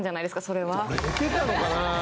それは俺寝てたのかな？